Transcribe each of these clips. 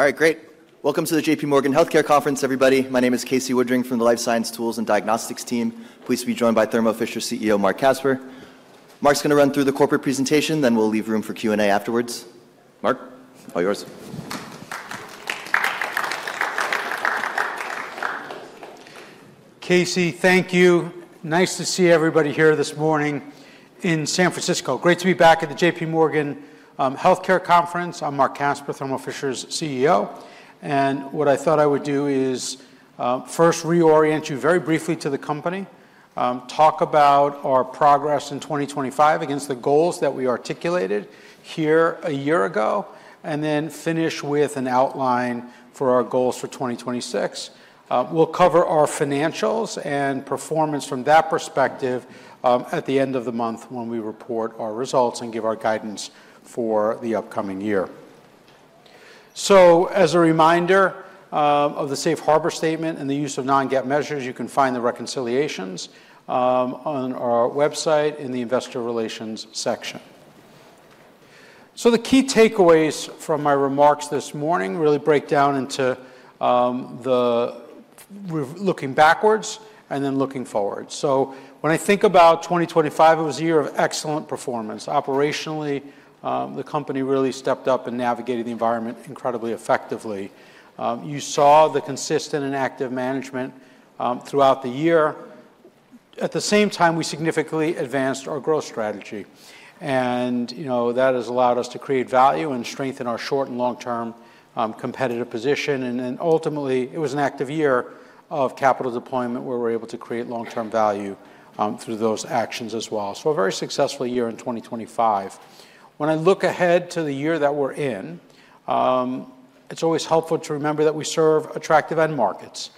All right, great. Welcome to the JPMorgan Healthcare Conference, everybody. My name is Casey Woodring from the Life Science Tools and Diagnostics team. Pleased to be joined by Thermo Fisher CEO Marc Casper. Marc's going to run through the corporate presentation, then we'll leave room for Q&A afterwards. Marc, all yours. Casey, thank you. Nice to see everybody here this morning in San Francisco. Great to be back at the JPMorgan Healthcare Conference. I'm Marc Casper, Thermo Fisher's CEO. And what I thought I would do is first reorient you very briefly to the company, talk about our progress in 2025 against the goals that we articulated here a year ago, and then finish with an outline for our goals for 2026. We'll cover our financials and performance from that perspective at the end of the month when we report our results and give our guidance for the upcoming year. So, as a reminder of the safe harbor statement and the use of non-GAAP measures, you can find the reconciliations on our website in the Investor Relations section. So, the key takeaways from my remarks this morning really break down into the looking backwards and then looking forward. So, when I think about 2025, it was a year of excellent performance. Operationally, the company really stepped up and navigated the environment incredibly effectively. You saw the consistent and active management throughout the year. At the same time, we significantly advanced our growth strategy, and that has allowed us to create value and strengthen our short- and long-term competitive position, and ultimately it was an active year of capital deployment where we're able to create long-term value through those actions as well. So, a very successful year in 2025. When I look ahead to the year that we're in, it's always helpful to remember that we serve attractive end markets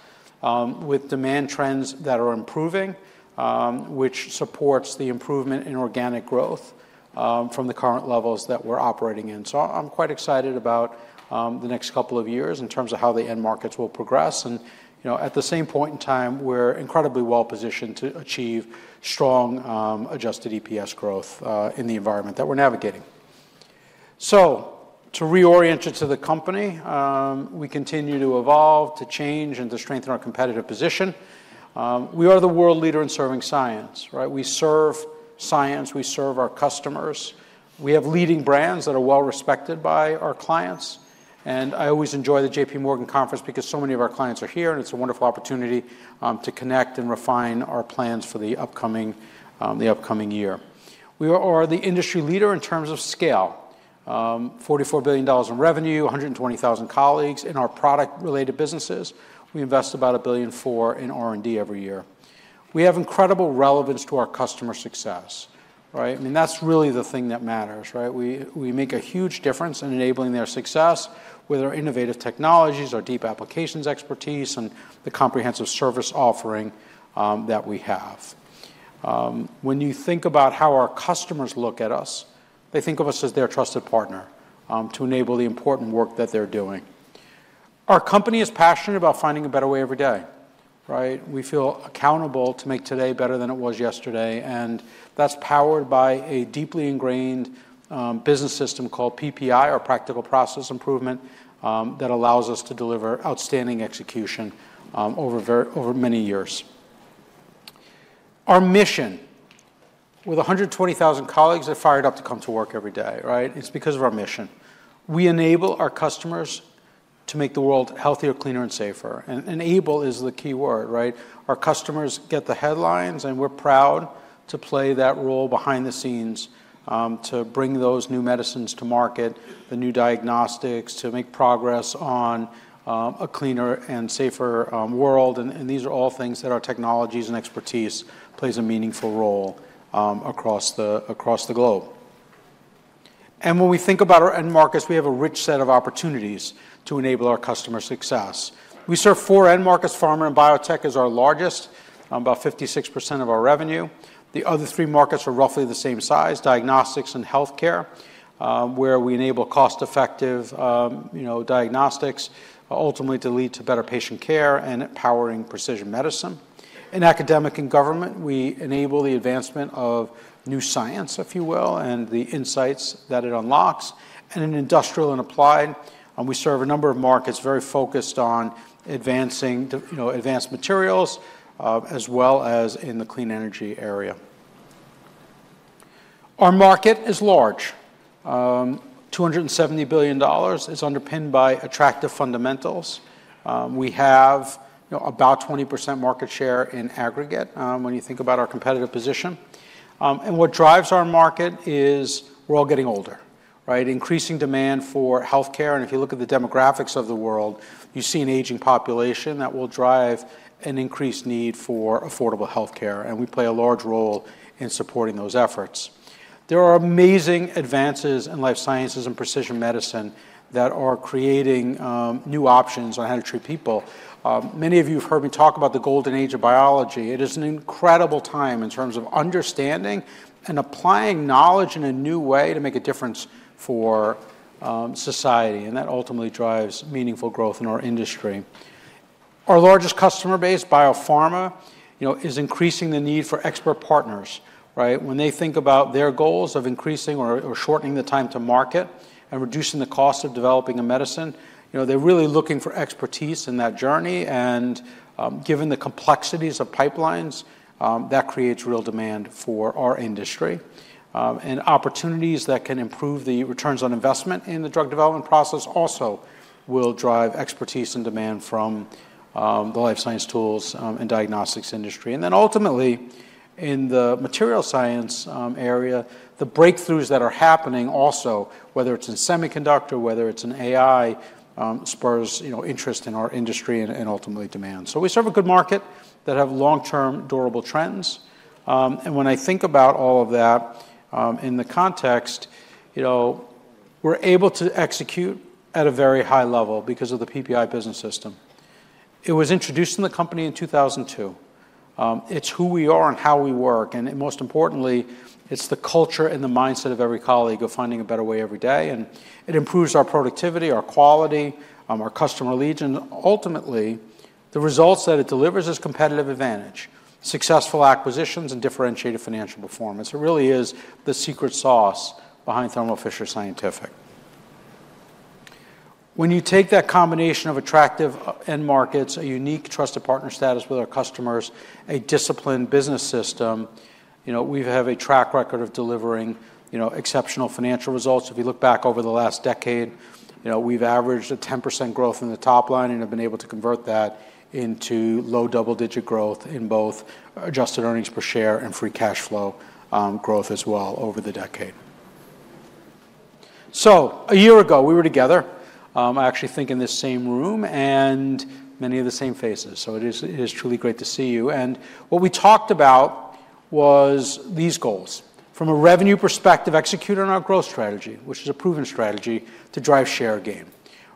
with demand trends that are improving, which supports the improvement in organic growth from the current levels that we're operating in. So, I'm quite excited about the next couple of years in terms of how the end markets will progress. And at the same point in time, we're incredibly well positioned to achieve strong adjusted EPS growth in the environment that we're navigating. So, to reorient you to the company, we continue to evolve, to change, and to strengthen our competitive position. We are the world leader in serving science. We serve science. We serve our customers. We have leading brands that are well respected by our clients. And I always enjoy the JPMorgan Conference because so many of our clients are here, and it's a wonderful opportunity to connect and refine our plans for the upcoming year. We are the industry leader in terms of scale, $44 billion in revenue, 120,000 colleagues in our product-related businesses. We invest about $1 billion in R&D every year. We have incredible relevance to our customer success. I mean, that's really the thing that matters. We make a huge difference in enabling their success with our innovative technologies, our deep applications expertise, and the comprehensive service offering that we have. When you think about how our customers look at us, they think of us as their trusted partner to enable the important work that they're doing. Our company is passionate about finding a better way every day. We feel accountable to make today better than it was yesterday, and that's powered by a deeply ingrained business system called PPI, our practical process improvement, that allows us to deliver outstanding execution over many years. Our mission, with 120,000 colleagues that are fired up to come to work every day, it's because of our mission. We enable our customers to make the world healthier, cleaner, and safer. Enable is the key word. Our customers get the headlines, and we're proud to play that role behind the scenes to bring those new medicines to market, the new diagnostics, to make progress on a cleaner and safer world. These are all things that our technologies and expertise play a meaningful role across the globe. When we think about our end markets, we have a rich set of opportunities to enable our customer success. We serve four end markets. Pharma and biotech is our largest, about 56% of our revenue. The other three markets are roughly the same size, diagnostics and healthcare, where we enable cost-effective diagnostics, ultimately to lead to better patient care and empowering precision medicine. In academic and government, we enable the advancement of new science, if you will, and the insights that it unlocks. And in industrial and applied, we serve a number of markets very focused on advanced materials, as well as in the clean energy area. Our market is large. $270 billion is underpinned by attractive fundamentals. We have about 20% market share in aggregate when you think about our competitive position. And what drives our market is we're all getting older. Increasing demand for healthcare. And if you look at the demographics of the world, you see an aging population that will drive an increased need for affordable healthcare. And we play a large role in supporting those efforts. There are amazing advances in life sciences and precision medicine that are creating new options on how to treat people. Many of you have heard me talk about the golden age of biology. It is an incredible time in terms of understanding and applying knowledge in a new way to make a difference for society. And that ultimately drives meaningful growth in our industry. Our largest customer base, biopharma, is increasing the need for expert partners. When they think about their goals of increasing or shortening the time to market and reducing the cost of developing a medicine, they're really looking for expertise in that journey. And given the complexities of pipelines, that creates real demand for our industry. And opportunities that can improve the returns on investment in the drug development process also will drive expertise and demand from the life science tools and diagnostics industry. And then ultimately, in the material science area, the breakthroughs that are happening also, whether it's in semiconductor, whether it's in AI, spurs interest in our industry and ultimately demand. We serve a good market that has long-term durable trends. When I think about all of that in the context, we're able to execute at a very high level because of the PPI Business System. It was introduced in the company in 2002. It's who we are and how we work. Most importantly, it's the culture and the mindset of every colleague of finding a better way every day. It improves our productivity, our quality, our customer leads. Ultimately, the results that it delivers is competitive advantage, successful acquisitions, and differentiated financial performance. It really is the secret sauce behind Thermo Fisher Scientific. When you take that combination of attractive end markets, a unique trusted partner status with our customers, a disciplined business system, we have a track record of delivering exceptional financial results. If you look back over the last decade, we've averaged a 10% growth in the top line and have been able to convert that into low double-digit growth in both adjusted earnings per share and free cash flow growth as well over the decade. So, a year ago, we were together. I actually think in this same room and many of the same faces. So it is truly great to see you. And what we talked about was these goals. From a revenue perspective, execute on our growth strategy, which is a proven strategy to drive share gain.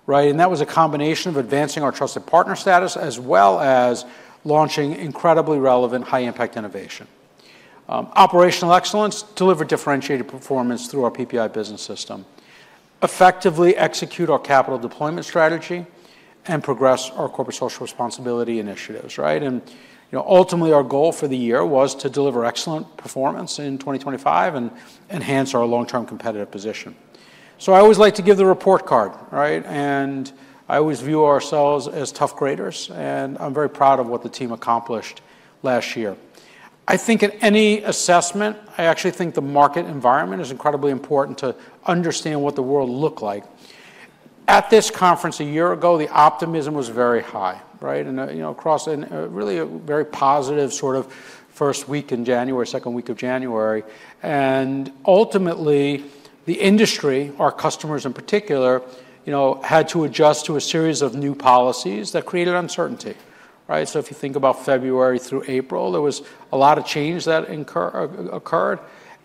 And that was a combination of advancing our trusted partner status as well as launching incredibly relevant high-impact innovation. Operational excellence delivered differentiated performance through our PPI Business System. Effectively execute our capital deployment strategy and progress our corporate social responsibility initiatives. Ultimately, our goal for the year was to deliver excellent performance in 2025 and enhance our long-term competitive position. I always like to give the report card. I always view ourselves as tough graders. I'm very proud of what the team accomplished last year. I think in any assessment, I actually think the market environment is incredibly important to understand what the world looked like. At this conference a year ago, the optimism was very high, really a very positive sort of first week in January, second week of January. Ultimately, the industry, our customers in particular, had to adjust to a series of new policies that created uncertainty. If you think about February through April, there was a lot of change that occurred.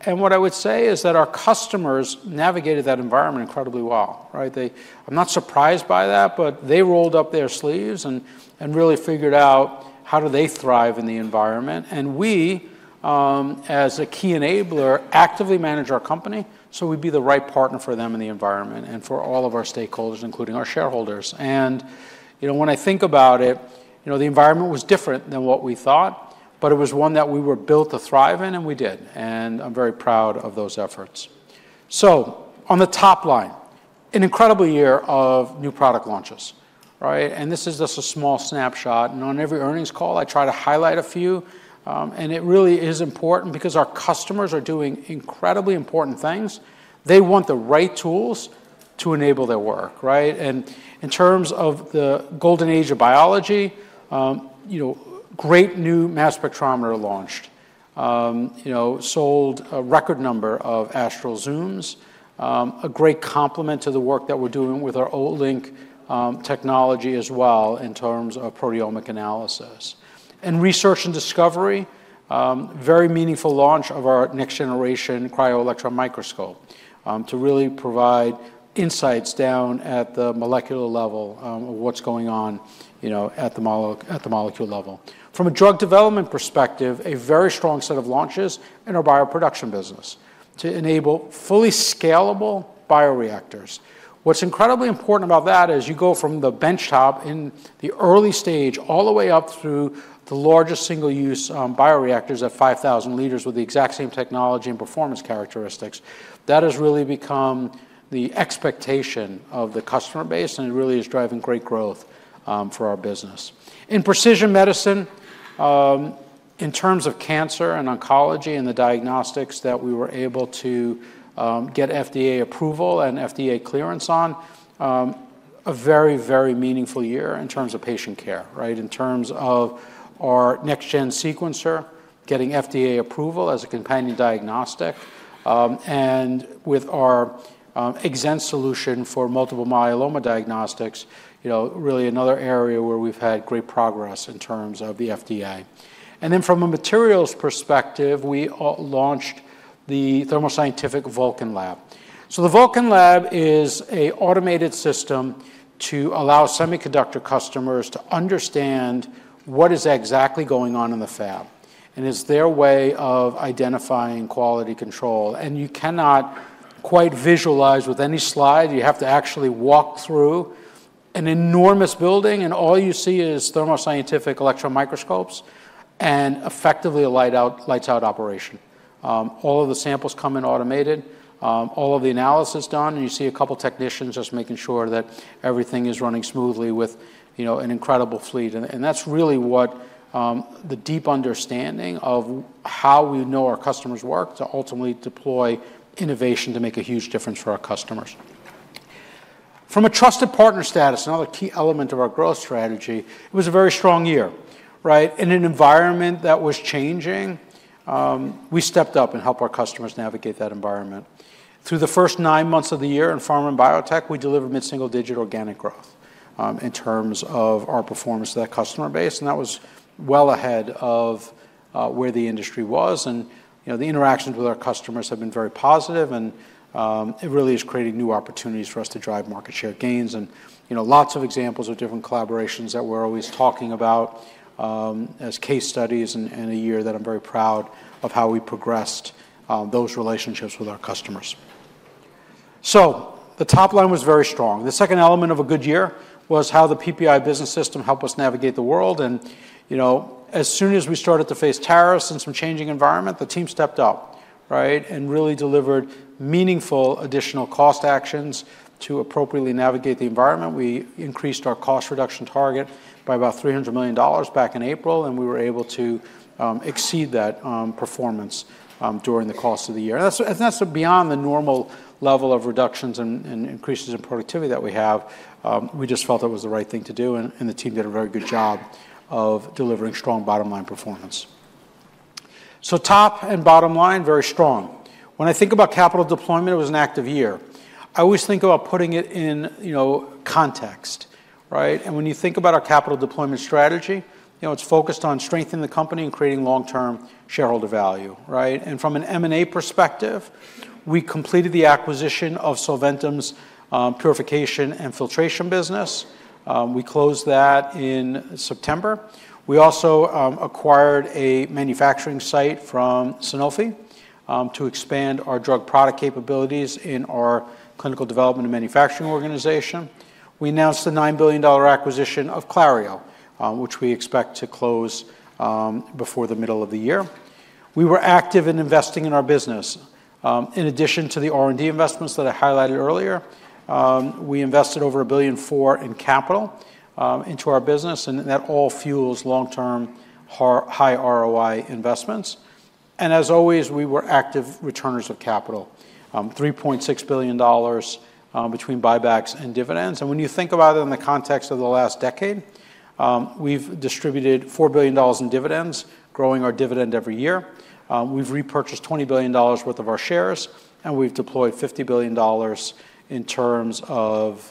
What I would say is that our customers navigated that environment incredibly well. I'm not surprised by that, but they rolled up their sleeves and really figured out how do they thrive in the environment. And we, as a key enabler, actively manage our company so we'd be the right partner for them in the environment and for all of our stakeholders, including our shareholders. And when I think about it, the environment was different than what we thought, but it was one that we were built to thrive in, and we did. And I'm very proud of those efforts. So, on the top line, an incredible year of new product launches. And this is just a small snapshot. And on every earnings call, I try to highlight a few. And it really is important because our customers are doing incredibly important things. They want the right tools to enable their work. In terms of the golden age of biology, great new mass spectrometer launched, sold a record number of Orbitrap Astrals, a great complement to the work that we're doing with our Olink technology as well in terms of proteomic analysis. Research and discovery, very meaningful launch of our next-generation cryo-electron microscope to really provide insights down at the molecular level of what's going on at the molecule level. From a drug development perspective, a very strong set of launches in our bioproduction business to enable fully scalable bioreactors. What's incredibly important about that is you go from the benchtop in the early stage all the way up through the largest single-use bioreactors at 5,000 liters with the exact same technology and performance characteristics. That has really become the expectation of the customer base, and it really is driving great growth for our business. In precision medicine, in terms of cancer and oncology and the diagnostics that we were able to get FDA approval and FDA clearance on, a very, very meaningful year in terms of patient care. In terms of our next-gen sequencer, getting FDA approval as a companion diagnostic, and with our EXENT solution for multiple myeloma diagnostics, really another area where we've had great progress in terms of the FDA, and then from a materials perspective, we launched the Thermo Scientific Vulcan Lab, so the Vulcan Lab is an automated system to allow semiconductor customers to understand what is exactly going on in the fab, and it's their way of identifying quality control, and you cannot quite visualize with any slide. You have to actually walk through an enormous building, and all you see is Thermo Scientific electron microscopes and effectively a lights-out operation. All of the samples come in automated, all of the analysis done, and you see a couple of technicians just making sure that everything is running smoothly with an incredible fleet. And that's really what the deep understanding of how we know our customers work to ultimately deploy innovation to make a huge difference for our customers. From a trusted partner status, another key element of our growth strategy, it was a very strong year. In an environment that was changing, we stepped up and helped our customers navigate that environment. Through the first nine months of the year in pharma and biotech, we delivered mid-single-digit organic growth in terms of our performance to that customer base. And that was well ahead of where the industry was. And the interactions with our customers have been very positive, and it really is creating new opportunities for us to drive market share gains. And lots of examples of different collaborations that we're always talking about as case studies and a year that I'm very proud of how we progressed those relationships with our customers. So the top line was very strong. The second element of a good year was how the PPI Business System helped us navigate the world. And as soon as we started to face tariffs and some changing environment, the team stepped up and really delivered meaningful additional cost actions to appropriately navigate the environment. We increased our cost reduction target by about $300 million back in April, and we were able to exceed that performance during the course of the year. And that's beyond the normal level of reductions and increases in productivity that we have. We just felt it was the right thing to do, and the team did a very good job of delivering strong bottom-line performance. So top and bottom line, very strong. When I think about capital deployment, it was an active year. I always think about putting it in context. And when you think about our capital deployment strategy, it's focused on strengthening the company and creating long-term shareholder value. And from an M&A perspective, we completed the acquisition of Solventum's purification and filtration business. We closed that in September. We also acquired a manufacturing site from Sanofi to expand our drug product capabilities in our clinical development and manufacturing organization. We announced the $9 billion acquisition of Clario, which we expect to close before the middle of the year. We were active in investing in our business. In addition to the R&D investments that I highlighted earlier, we invested over a billion foreign capital into our business, and that all fuels long-term high ROI investments. And as always, we were active returners of capital, $3.6 billion between buybacks and dividends. And when you think about it in the context of the last decade, we've distributed $4 billion in dividends, growing our dividend every year. We've repurchased $20 billion worth of our shares, and we've deployed $50 billion in terms of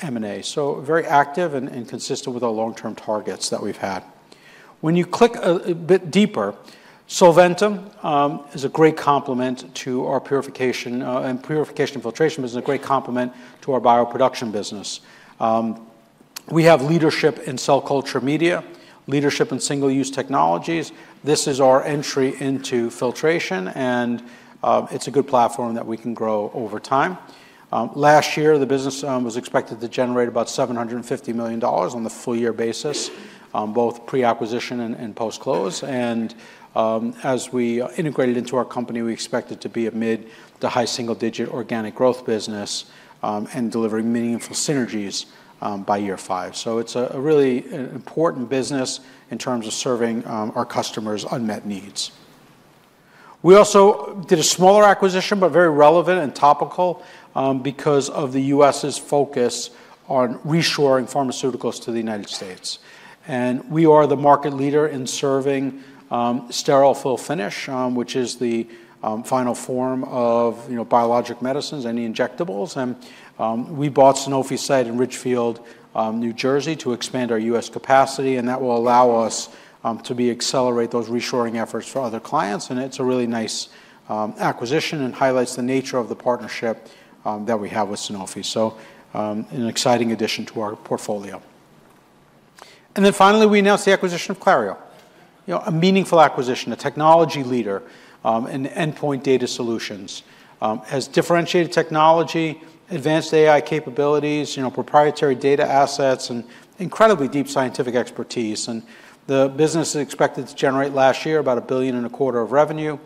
M&A. So very active and consistent with our long-term targets that we've had. When you click a bit deeper, Solventum is a great complement to our purification and filtration business, a great complement to our bioproduction business. We have leadership in cell culture media, leadership in single-use technologies. This is our entry into filtration, and it's a good platform that we can grow over time. Last year, the business was expected to generate about $750 million on the full-year basis, both pre-acquisition and post-close. And as we integrated into our company, we expected to be amid the high single-digit organic growth business and delivering meaningful synergies by year five. So it's a really important business in terms of serving our customers' unmet needs. We also did a smaller acquisition, but very relevant and topical because of the U.S.'s focus on reshoring pharmaceuticals to the United States. And we are the market leader in serving sterile fill-finish, which is the final form of biologic medicines, any injectables. And we bought Sanofi's site in Ridgefield, New Jersey, to expand our U.S. capacity, and that will allow us to accelerate those reshoring efforts for other clients. It's a really nice acquisition and highlights the nature of the partnership that we have with Sanofi. So it's an exciting addition to our portfolio. And then finally, we announced the acquisition of Clario, a meaningful acquisition, a technology leader in endpoint data solutions, has differentiated technology, advanced AI capabilities, proprietary data assets, and incredibly deep scientific expertise. And the business is expected to generate last year about $1.25 billion of revenue.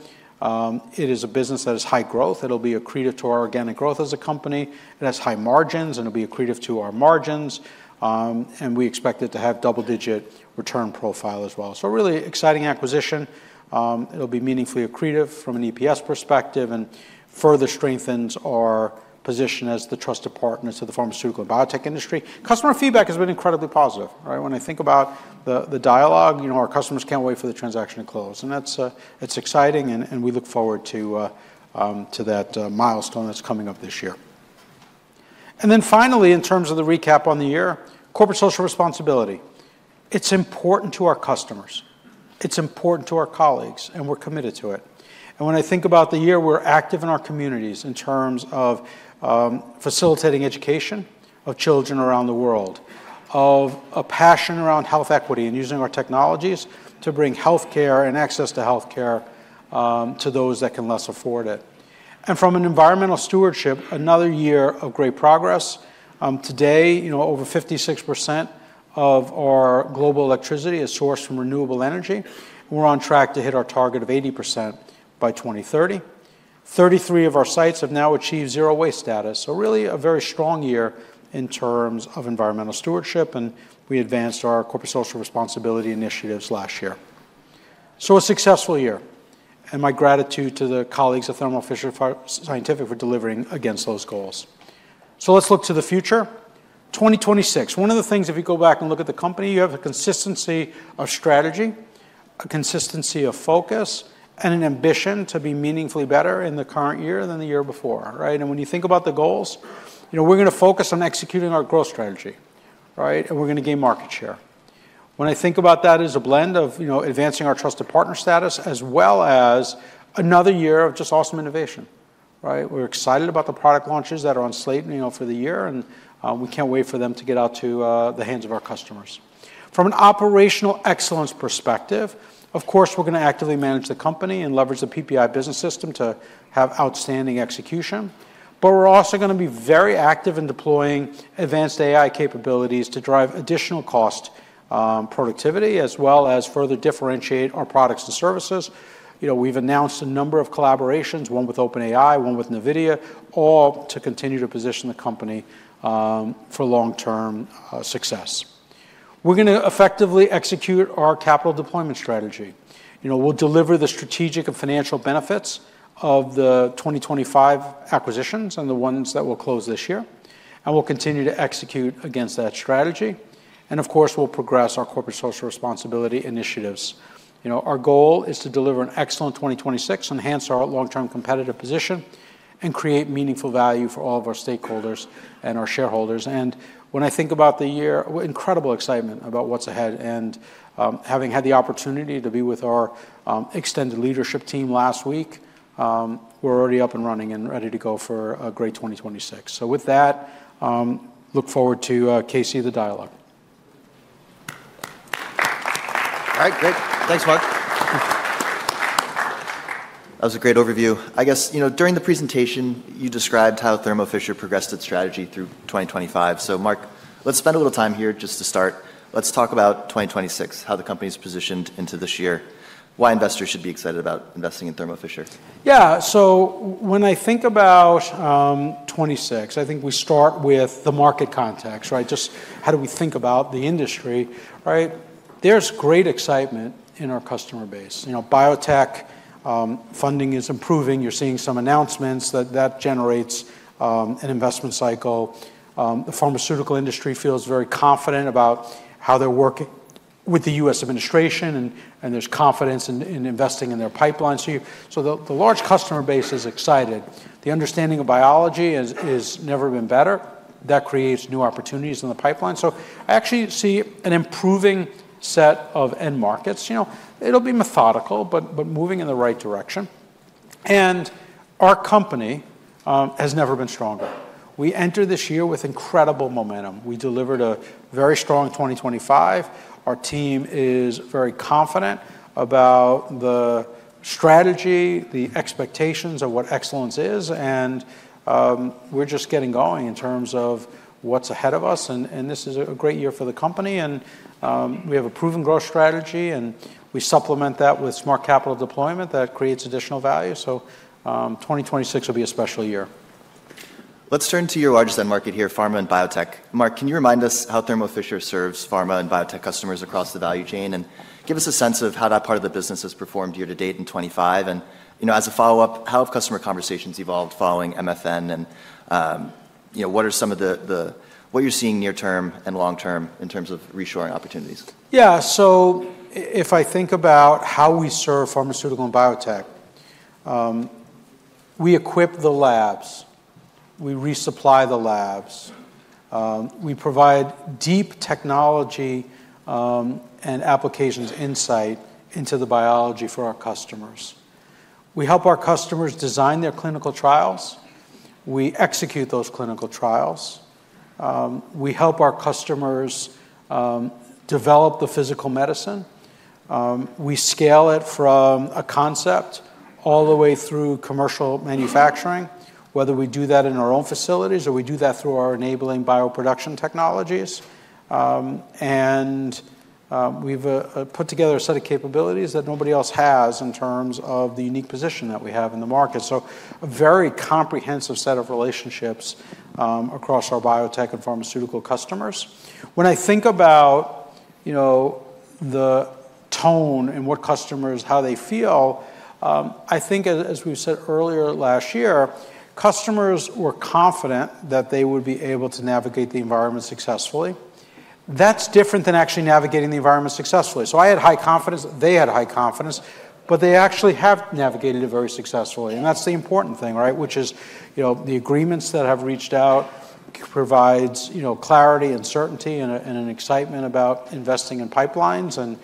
It is a business that is high growth. It'll be accretive to our organic growth as a company. It has high margins, and it'll be accretive to our margins. And we expect it to have double-digit return profile as well. So it's a really exciting acquisition. It'll be meaningfully accretive from an EPS perspective and further strengthens our position as the trusted partners of the pharmaceutical and biotech industry. Customer feedback has been incredibly positive. When I think about the dialogue, our customers can't wait for the transaction to close. And that's exciting, and we look forward to that milestone that's coming up this year. And then finally, in terms of the recap on the year, corporate social responsibility. It's important to our customers. It's important to our colleagues, and we're committed to it. And when I think about the year, we're active in our communities in terms of facilitating education of children around the world, of a passion around health equity and using our technologies to bring healthcare and access to healthcare to those that can less afford it. And from an environmental stewardship, another year of great progress. Today, over 56% of our global electricity is sourced from renewable energy. We're on track to hit our target of 80% by 2030. 33 of our sites have now achieved zero waste status. So really a very strong year in terms of environmental stewardship, and we advanced our corporate social responsibility initiatives last year. So a successful year. And my gratitude to the colleagues at Thermo Fisher Scientific for delivering against those goals. So let's look to the future. 2026, one of the things if you go back and look at the company, you have a consistency of strategy, a consistency of focus, and an ambition to be meaningfully better in the current year than the year before. And when you think about the goals, we're going to focus on executing our growth strategy, and we're going to gain market share. When I think about that, it is a blend of advancing our trusted partner status as well as another year of just awesome innovation. We're excited about the product launches that are on slate for the year, and we can't wait for them to get out to the hands of our customers. From an operational excellence perspective, of course, we're going to actively manage the company and leverage the PPI Business System to have outstanding execution. But we're also going to be very active in deploying advanced AI capabilities to drive additional cost productivity as well as further differentiate our products and services. We've announced a number of collaborations, one with OpenAI, one with NVIDIA, all to continue to position the company for long-term success. We're going to effectively execute our capital deployment strategy. We'll deliver the strategic and financial benefits of the 2025 acquisitions and the ones that we'll close this year. And we'll continue to execute against that strategy. And of course, we'll progress our corporate social responsibility initiatives. Our goal is to deliver an excellent 2026, enhance our long-term competitive position, and create meaningful value for all of our stakeholders and our shareholders. And when I think about the year, incredible excitement about what's ahead. And having had the opportunity to be with our extended leadership team last week, we're already up and running and ready to go for a great 2026. So with that, look forward to Casey and the dialogue. All right. Great. Thanks, Mark. That was a great overview. I guess during the presentation, you described how Thermo Fisher progressed its strategy through 2025. So Mark, let's spend a little time here just to start. Let's talk about 2026, how the company is positioned into this year, why investors should be excited about investing in Thermo Fisher. Yeah. So when I think about 2026, I think we start with the market context, just how do we think about the industry. There's great excitement in our customer base. Biotech funding is improving. You're seeing some announcements that generates an investment cycle. The pharmaceutical industry feels very confident about how they're working with the U.S. administration, and there's confidence in investing in their pipeline. So the large customer base is excited. The understanding of biology has never been better. That creates new opportunities in the pipeline. So I actually see an improving set of end markets. It'll be methodical, but moving in the right direction, and our company has never been stronger. We entered this year with incredible momentum. We delivered a very strong 2025. Our team is very confident about the strategy, the expectations of what excellence is. And we're just getting going in terms of what's ahead of us. And this is a great year for the company. And we have a proven growth strategy, and we supplement that with smart capital deployment that creates additional value. So 2026 will be a special year. Let's turn to your largest end market here, pharma and biotech. Marc, can you remind us how Thermo Fisher serves pharma and biotech customers across the value chain and give us a sense of how that part of the business has performed year to date in 2025? And as a follow-up, how have customer conversations evolved following MFN? And what are some of the what you're seeing near-term and long-term in terms of reshoring opportunities? Yeah. So if I think about how we serve pharmaceutical and biotech, we equip the labs. We resupply the labs. We provide deep technology and applications insight into the biology for our customers. We help our customers design their clinical trials. We execute those clinical trials. We help our customers develop the physical medicine. We scale it from a concept all the way through commercial manufacturing, whether we do that in our own facilities or we do that through our enabling bioproduction technologies. And we've put together a set of capabilities that nobody else has in terms of the unique position that we have in the market. So a very comprehensive set of relationships across our biotech and pharmaceutical customers. When I think about the tone and how they feel, I think, as we said earlier last year, customers were confident that they would be able to navigate the environment successfully. That's different than actually navigating the environment successfully. So I had high confidence. They had high confidence, but they actually have navigated it very successfully. And that's the important thing, which is the agreements that have been reached provide clarity and certainty and an excitement about investing in pipelines. And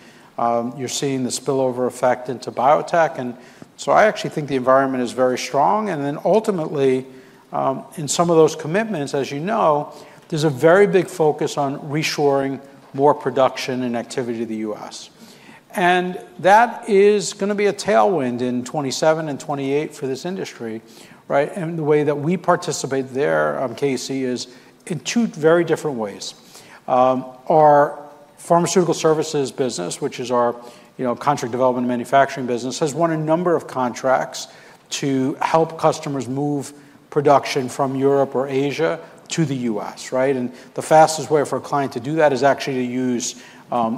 you're seeing the spillover effect into biotech. And so I actually think the environment is very strong. And then ultimately, in some of those commitments, as you know, there's a very big focus on reshoring more production and activity to the U.S. And that is going to be a tailwind in 2027 and 2028 for this industry. And the way that we participate there, Casey, is in two very different ways. Our pharmaceutical services business, which is our contract development and manufacturing business, has won a number of contracts to help customers move production from Europe or Asia to the U.S. And the fastest way for a client to do that is actually to use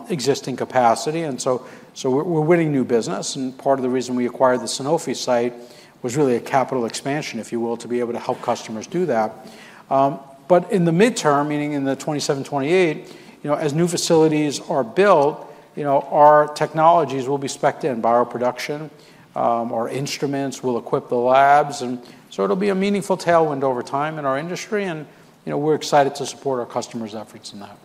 existing capacity. And so we're winning new business. And part of the reason we acquired the Sanofi site was really a capital expansion, if you will, to be able to help customers do that. But in the midterm, meaning in the 2027-2028, as new facilities are built, our technologies will be specced in bioproduction. Our instruments will equip the labs. And so it'll be a meaningful tailwind over time in our industry. And we're excited to support our customers' efforts in that.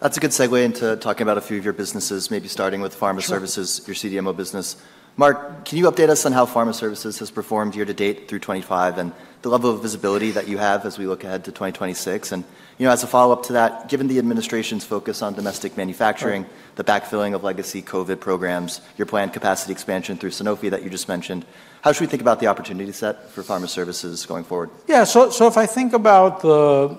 That's a good segue into talking about a few of your businesses, maybe starting with pharma services, your CDMO business. Marc, can you update us on how pharma services has performed year to date through 2025 and the level of visibility that you have as we look ahead to 2026? As a follow-up to that, given the administration's focus on domestic manufacturing, the backfilling of legacy COVID programs, your planned capacity expansion through Sanofi that you just mentioned, how should we think about the opportunity set for pharma services going forward? Yeah. So if I think about the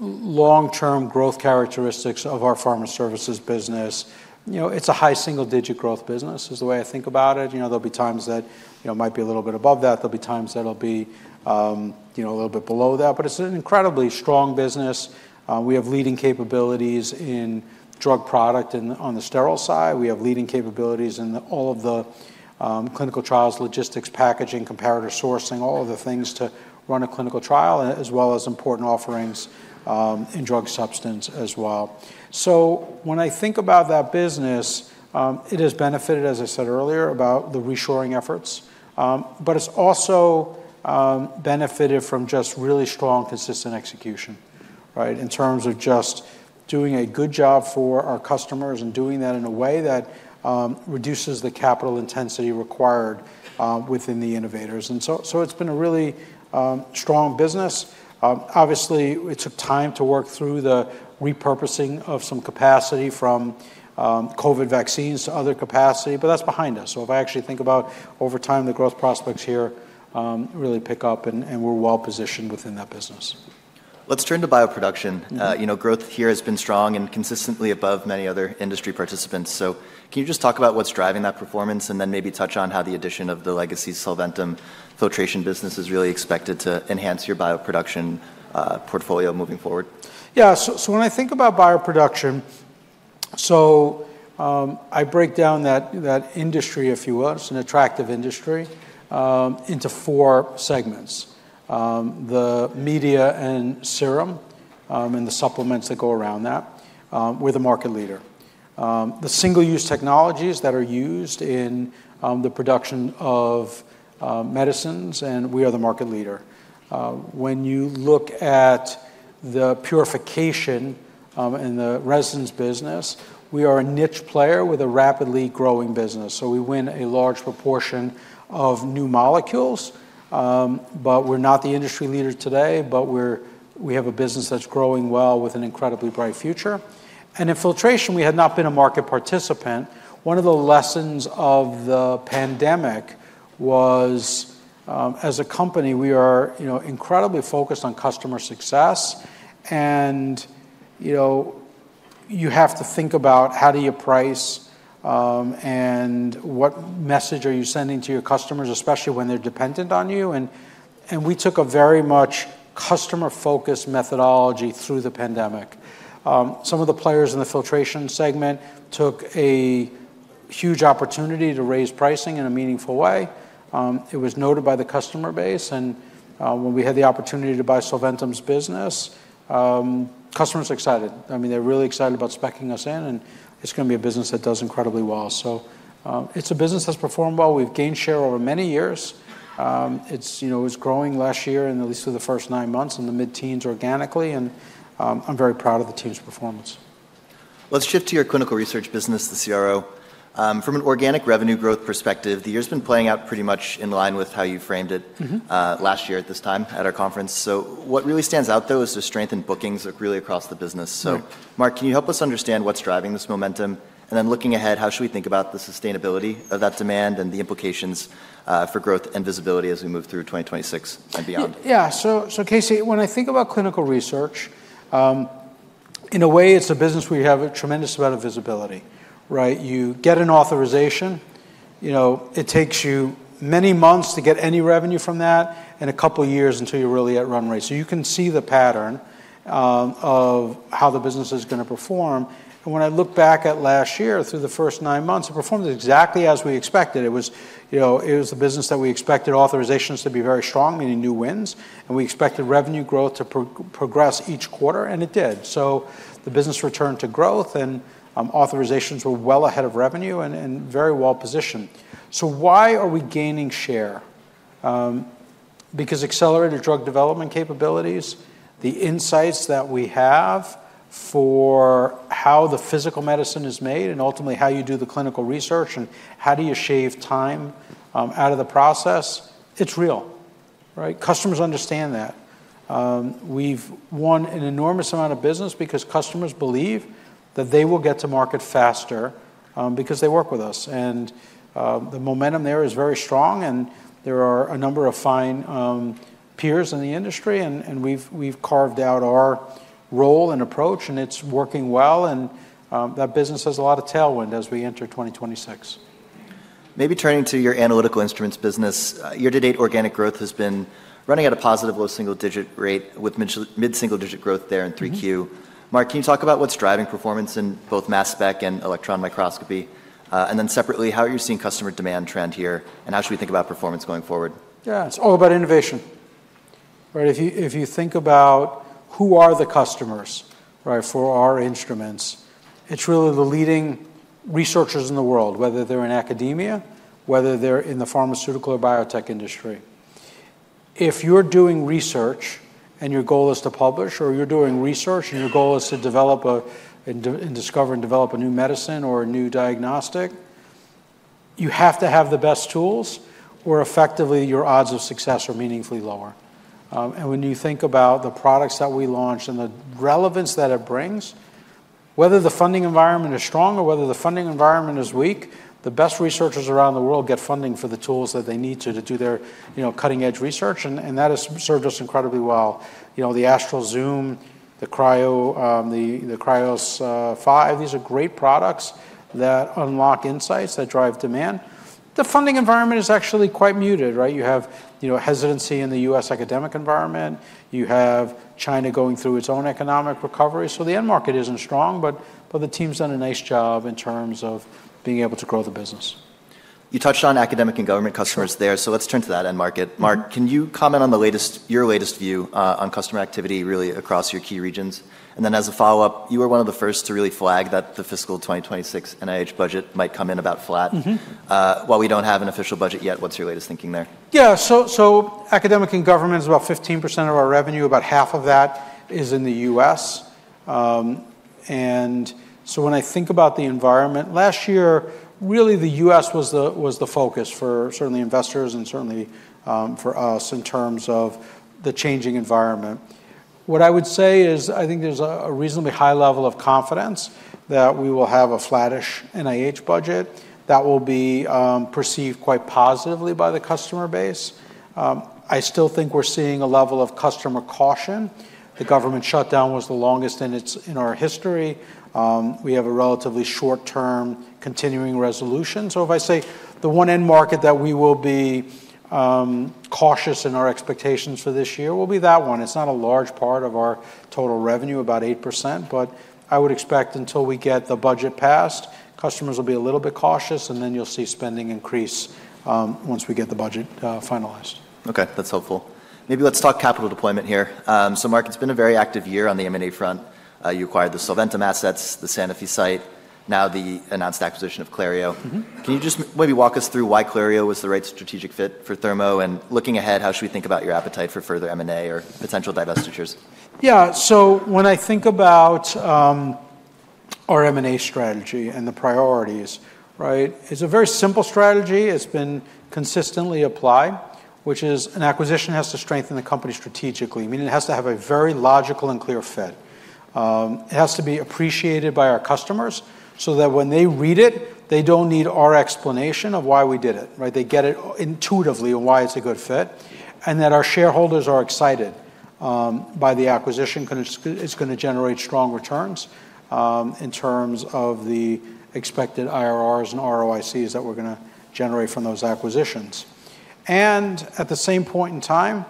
long-term growth characteristics of our pharma services business, it's a high single-digit growth business is the way I think about it. There'll be times that it might be a little bit above that. There'll be times that it'll be a little bit below that. But it's an incredibly strong business. We have leading capabilities in drug product on the sterile side. We have leading capabilities in all of the clinical trials, logistics, packaging, comparator sourcing, all of the things to run a clinical trial, as well as important offerings in drug substance as well. So when I think about that business, it has benefited, as I said earlier, about the reshoring efforts. It's also benefited from just really strong, consistent execution in terms of just doing a good job for our customers and doing that in a way that reduces the capital intensity required within the innovators. It's been a really strong business. Obviously, it took time to work through the repurposing of some capacity from COVID vaccines to other capacity, but that's behind us. If I actually think about over time, the growth prospects here really pick up, and we're well positioned within that business. Let's turn to bioproduction. Growth here has been strong and consistently above many other industry participants. So can you just talk about what's driving that performance and then maybe touch on how the addition of the legacy Solventum filtration business is really expected to enhance your bioproduction portfolio moving forward? Yeah. So when I think about bioproduction, so I break down that industry, if you will. It's an attractive industry into four segments: the media and serum and the supplements that go around that. We're the market leader. The single-use technologies that are used in the production of medicines, and we are the market leader. When you look at the purification and the resin business, we are a niche player with a rapidly growing business. So we win a large proportion of new molecules, but we're not the industry leader today, but we have a business that's growing well with an incredibly bright future. And in filtration, we had not been a market participant. One of the lessons of the pandemic was, as a company, we are incredibly focused on customer success. And you have to think about how do you price and what message are you sending to your customers, especially when they're dependent on you. And we took a very much customer-focused methodology through the pandemic. Some of the players in the filtration segment took a huge opportunity to raise pricing in a meaningful way. It was noted by the customer base. And when we had the opportunity to buy Solventum's business, customers were excited. I mean, they're really excited about speccing us in, and it's going to be a business that does incredibly well. So it's a business that's performed well. We've gained share over many years. It was growing last year in at least the first nine months in the mid-teens organically. And I'm very proud of the team's performance. Let's shift to your clinical research business, the CRO. From an organic revenue growth perspective, the year has been playing out pretty much in line with how you framed it last year at this time at our conference. So what really stands out, though, is the strength in bookings really across the business. So Mark, can you help us understand what's driving this momentum? And then looking ahead, how should we think about the sustainability of that demand and the implications for growth and visibility as we move through 2026 and beyond? Yeah, so Casey, when I think about clinical research, in a way, it's a business where you have a tremendous amount of visibility. You get an authorization. It takes you many months to get any revenue from that and a couple of years until you're really at run rate, so you can see the pattern of how the business is going to perform. And when I look back at last year through the first nine months, it performed exactly as we expected. It was the business that we expected authorizations to be very strong, meaning new wins. And we expected revenue growth to progress each quarter, and it did, so the business returned to growth, and authorizations were well ahead of revenue and very well positioned, so why are we gaining share? Because accelerated drug development capabilities, the insights that we have for how the physical medicine is made and ultimately how you do the clinical research and how do you shave time out of the process, it's real. Customers understand that. We've won an enormous amount of business because customers believe that they will get to market faster because they work with us. And the momentum there is very strong. And there are a number of fine peers in the industry, and we've carved out our role and approach, and it's working well. And that business has a lot of tailwind as we enter 2026. Maybe turning to your analytical instruments business, year to date, organic growth has been running at a positive low single-digit rate with mid-single-digit growth there in 3Q. Marc, can you talk about what's driving performance in both mass spec and electron microscopy? And then separately, how are you seeing customer demand trend here and how should we think about performance going forward? Yeah. It's all about innovation. If you think about who are the customers for our instruments, it's really the leading researchers in the world, whether they're in academia, whether they're in the pharmaceutical or biotech industry. If you're doing research and your goal is to publish, or you're doing research and your goal is to develop and discover and develop a new medicine or a new diagnostic, you have to have the best tools or effectively your odds of success are meaningfully lower. And when you think about the products that we launched and the relevance that it brings, whether the funding environment is strong or whether the funding environment is weak, the best researchers around the world get funding for the tools that they need to do their cutting-edge research. And that has served us incredibly well. The Astral Zoom, the Krios 5, these are great products that unlock insights that drive demand. The funding environment is actually quite muted. You have hesitancy in the U.S. academic environment. You have China going through its own economic recovery. So the end market isn't strong, but the team's done a nice job in terms of being able to grow the business. You touched on academic and government customers there. So let's turn to that end market. Marc, can you comment on your latest view on customer activity really across your key regions? And then as a follow-up, you were one of the first to really flag that the fiscal 2026 NIH budget might come in about flat. While we don't have an official budget yet, what's your latest thinking there? Yeah. So academic and government is about 15% of our revenue. About half of that is in the U.S. And so when I think about the environment, last year, really the U.S. was the focus for certainly investors and certainly for us in terms of the changing environment. What I would say is I think there's a reasonably high level of confidence that we will have a flattish NIH budget that will be perceived quite positively by the customer base. I still think we're seeing a level of customer caution. The government shutdown was the longest in our history. We have a relatively short-term continuing resolution. So if I say the one end market that we will be cautious in our expectations for this year will be that one. It's not a large part of our total revenue, about 8%. But I would expect, until we get the budget passed, customers will be a little bit cautious, and then you'll see spending increase once we get the budget finalized. Okay. That's helpful. Maybe let's talk capital deployment here. So Marc, it's been a very active year on the M&A front. You acquired the Solventum assets, the Sanofi site, now the announced acquisition of Clario. Can you just maybe walk us through why Clario was the right strategic fit for Thermo? And looking ahead, how should we think about your appetite for further M&A or potential divestitures? Yeah. So when I think about our M&A strategy and the priorities, it's a very simple strategy. It's been consistently applied, which is an acquisition has to strengthen the company strategically. Meaning it has to have a very logical and clear fit. It has to be appreciated by our customers so that when they read it, they don't need our explanation of why we did it. They get it intuitively why it's a good fit and that our shareholders are excited by the acquisition. It's going to generate strong returns in terms of the expected IRRs and ROICs that we're going to generate from those acquisitions. And at the same point in time,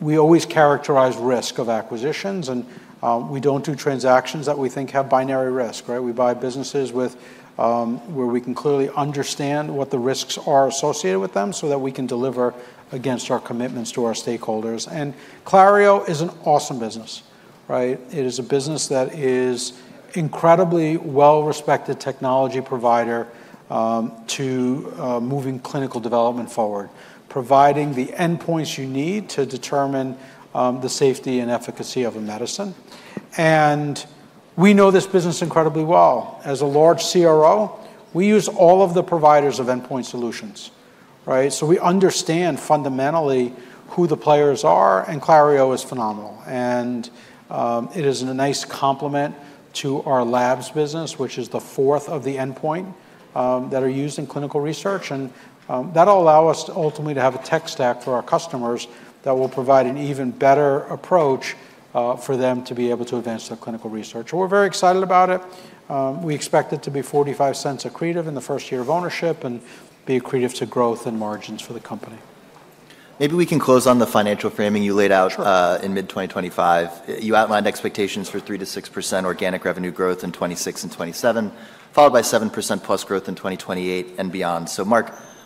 we always characterize risk of acquisitions. And we don't do transactions that we think have binary risk. We buy businesses where we can clearly understand what the risks are associated with them so that we can deliver against our commitments to our stakeholders. Clario is an awesome business. It is a business that is incredibly well-respected technology provider to moving clinical development forward, providing the endpoints you need to determine the safety and efficacy of a medicine. We know this business incredibly well. As a large CRO, we use all of the providers of endpoint solutions. We understand fundamentally who the players are, and Clario is phenomenal. It is a nice complement to our labs business, which is the core of the endpoints that are used in clinical research. That'll allow us ultimately to have a tech stack for our customers that will provide an even better approach for them to be able to advance their clinical research. We're very excited about it. We expect it to be $0.45 accretive in the first year of ownership and be accretive to growth and margins for the company. Maybe we can close on the financial framing you laid out in mid-2025. You outlined expectations for 3%-6% organic revenue growth in 2026 and 2027, followed by 7%+ growth in 2028 and beyond. So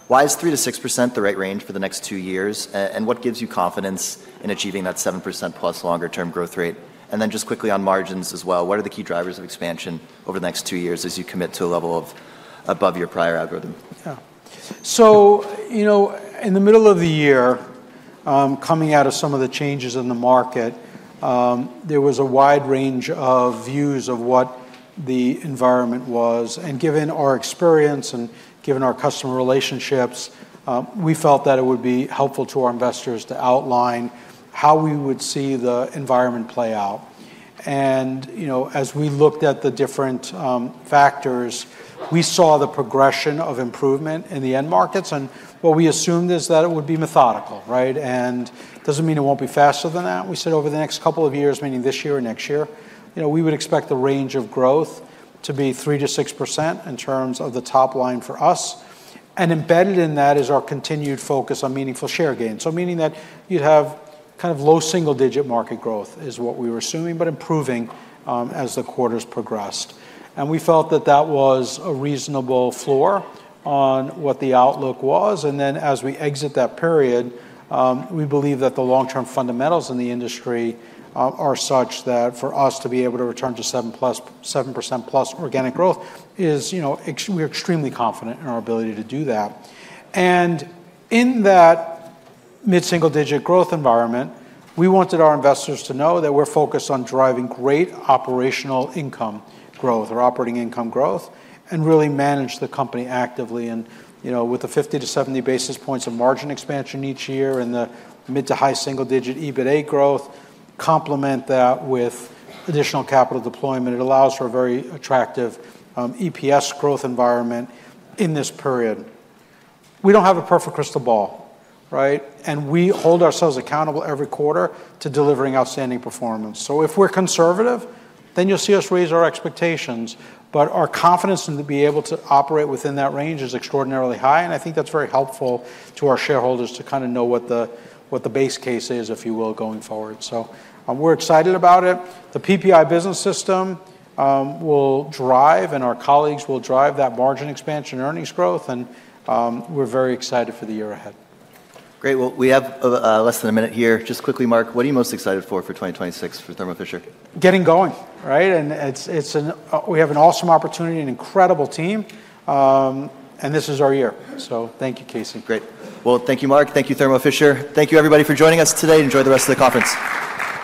Marc, why is 3%-6% the right range for the next two years? And what gives you confidence in achieving that 7% plus longer-term growth rate? And then just quickly on margins as well, what are the key drivers of expansion over the next two years as you commit to a level above your prior algorithm? Yeah. So in the middle of the year, coming out of some of the changes in the market, there was a wide range of views of what the environment was. And given our experience and given our customer relationships, we felt that it would be helpful to our investors to outline how we would see the environment play out. And as we looked at the different factors, we saw the progression of improvement in the end markets. And what we assumed is that it would be methodical. And it doesn't mean it won't be faster than that. We said over the next couple of years, meaning this year or next year, we would expect the range of growth to be 3%-6% in terms of the top line for us. And embedded in that is our continued focus on meaningful share gains. Meaning that you'd have kind of low-single-digit market growth is what we were assuming, but improving as the quarters progressed. We felt that that was a reasonable floor on what the outlook was. Then as we exit that period, we believe that the long-term fundamentals in the industry are such that for us to be able to return to 7%+ organic growth, we're extremely confident in our ability to do that. In that mid-single-digit growth environment, we wanted our investors to know that we're focused on driving great operational income growth or operating income growth and really manage the company actively. With the 50-70 basis points of margin expansion each year and the mid- to high-single-digit EBITDA growth, complement that with additional capital deployment, it allows for a very attractive EPS growth environment in this period. We don't have a perfect crystal ball, and we hold ourselves accountable every quarter to delivering outstanding performance, so if we're conservative, then you'll see us raise our expectations, but our confidence in to be able to operate within that range is extraordinarily high, and I think that's very helpful to our shareholders to kind of know what the base case is, if you will, going forward, so we're excited about it. The PPI Business System will drive, and our colleagues will drive that margin expansion earnings growth, and we're very excited for the year ahead. Great. Well, we have less than a minute here. Just quickly, Mark, what are you most excited for 2026 for Thermo Fisher? Getting going and we have an awesome opportunity, an incredible team and this is our year so thank you, Casey. Great. Well, thank you, Marc. Thank you, Thermo Fisher. Thank you, everybody, for joining us today. Enjoy the rest of the conference.